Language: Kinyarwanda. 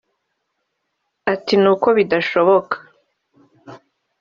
Ati “Ni uko bidashoboka